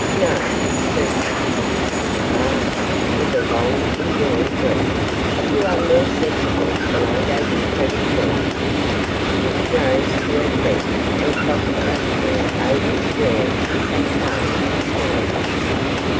'No,' curtly. 'Ah!' with a long indrawn breath, 'you are more sensible than I gave you credit for.' Kitty rose to her feet and crossed rapidly over to where he sat calm and smiling.